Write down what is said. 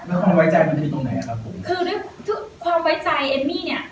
แล้วความไว้ใจมันจะมีตรงไหนครับครับผมคือด้วยความไว้ใจเอ็มมี่เนี้ย